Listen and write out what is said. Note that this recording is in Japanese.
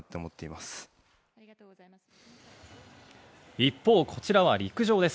一方、こちらは陸上です。